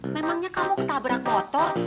memangnya kamu ketabrak motor